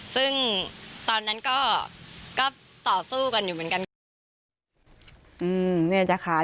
ซึ่งตอนนั้นก็ต่อสู้กันอยู่เหมือนกันค่ะ